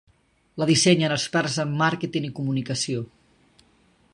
La dissenyen experts en màrqueting i comunicació.